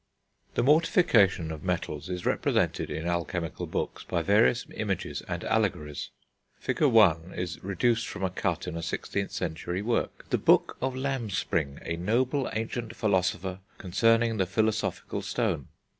The mortification of metals is represented in alchemical books by various images and allegories. Fig. I. is reduced from a cut in a 16th century work, The Book of Lambspring, a noble ancient Philosopher, concerning the Philosophical Stone.